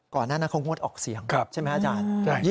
ก่อนหน้านั้นเขางดออกเสียงใช่ไหมอาจารย์